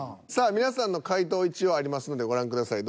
皆さんの回答一応ありますのでご覧ください